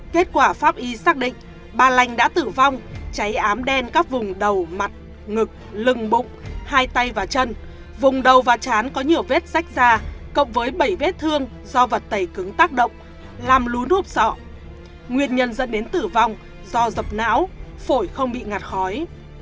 kết quả pháp y xác định bà lanh đã tử vong cháy ám đen các vùng đầu mặt ngực lừng bụng hai tay và chân vùng đầu và chán có nhiều vết rách da cộng với bảy vết thương do vật tẩy cứng tác động làm lún húp sọ nguyên nhân dẫn đến tử vong do dập não phổi không bị ngạt khói